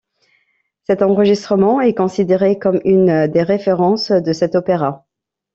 Cet enregistrement est considéré comme une des références de cet opéra.